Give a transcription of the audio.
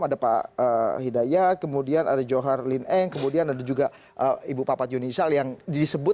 ada pak hidayat kemudian ada johar lineng kemudian ada juga ibu papa juni ishal yang disebut